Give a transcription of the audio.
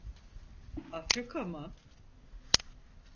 Afrika mı?